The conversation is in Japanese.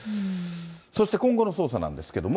そして今後の捜査なんですけれども。